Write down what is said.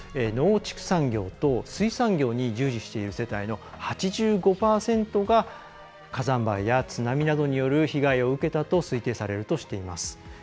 農畜産業と水産業に従事している世帯の８５％が火山灰や津波などによる被害を受けたと推定されるとしています。